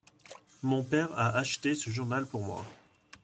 Mon père a acheté ce journal pour moi.